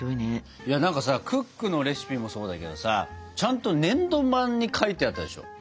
何かさ「クック」のレシピもそうだけどさちゃんと粘土板に書いてあったでしょ？